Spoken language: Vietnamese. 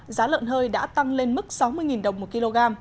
giá lợn hơi đã tăng lên mức sáu mươi đồng một kg